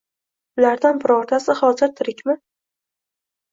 Ulardan birontasi hozir tirikmi?